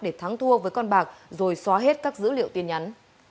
để thắng thua với con bạc rồi xóa hết các dữ liệu tin nhắn